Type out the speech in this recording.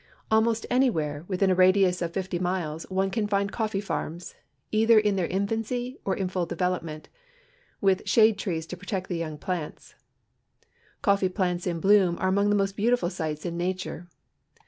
Almost anywhere within a radius A STRKET IN SAN JOSE, COSTA RICA of fifty miles one can find coffee farms, either in their infancy or in full development, with shade trees to protect the young plants. Cof!ee plants in bloom are among the most beautiful sights in nature.